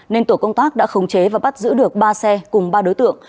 nên tổ công tác đã khống chế và bắt giữ được ba xe cùng ba đối tượng